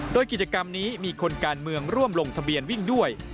โดยกิจกรรมนี้มีคนการเมืองร่วมลงทะเบียนวิ่งด้วย